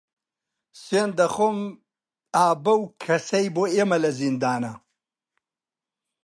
سوێند دەخۆم ئە بەو کەسەی بۆ ئێمە لە زیندانە